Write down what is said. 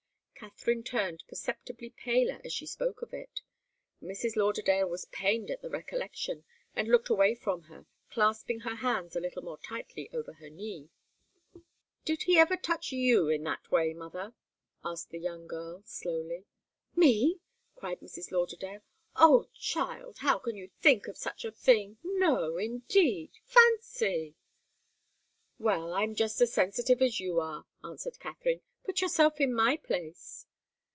Katharine turned perceptibly paler as she spoke of it. Mrs. Lauderdale was pained at the recollection, and looked away from her, clasping her hands a little more tightly over her knee. "Did he ever touch you in that way, mother?" asked the young girl, slowly. "Me?" cried Mrs. Lauderdale. "Oh child! How can you think of such a thing! No, indeed! Fancy!" "Well I'm just as sensitive as you are," answered Katharine. "Put yourself in my place."